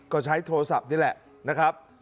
ก็ใช้โทรศัพท์นี่แหละนะครับ